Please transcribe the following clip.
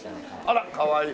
あらかわいい。